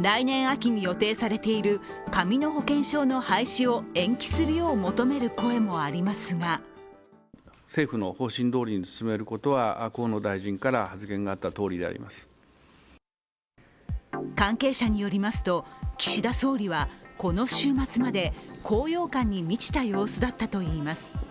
来年秋に予定されている紙の保険証の廃止を延期するよう求める声もありますが関係者によりますと、岸田総理はこの週末まで高揚感に満ちた様子だったといいます。